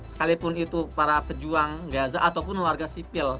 sekalipun itu para pejuang gaza ataupun warga sipil